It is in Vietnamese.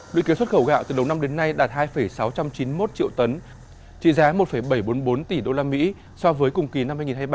luyện kế xuất khẩu gạo từ đầu năm đến nay đạt hai sáu trăm chín mươi một triệu tấn trị giá một bảy trăm bốn mươi bốn tỷ usd so với cùng kỳ năm hai nghìn hai mươi ba